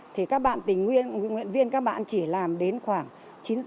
thì các bạn tình nguyên nguyện viên các bạn chỉ làm đến khoảng chín giờ các bạn nghỉ